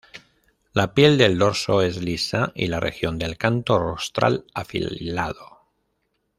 La piel del dorso es lisa y la región del canto rostral afilado.